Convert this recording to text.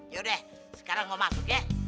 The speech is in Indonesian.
yaudah sekarang mau masuk ya